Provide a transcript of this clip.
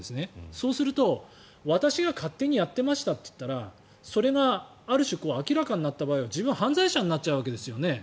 そうすると、私が勝手にやっていましたって言ったらそれがある種明らかになった場合は自分は犯罪者になっちゃうわけですよね。